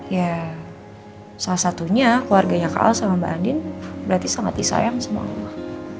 ya salah satunya keluarganya kak al sama mbak andin berarti sangat disayang sama allah